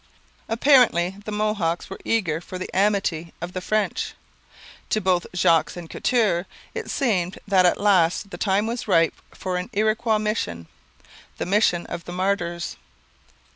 Apparently the Mohawks were eager for the amity of the French. To both Jogues and Couture it seemed that at last the time was ripe for an Iroquois mission the Mission of the Martyrs.